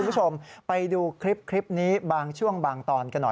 คุณผู้ชมไปดูคลิปนี้บางช่วงบางตอนกันหน่อย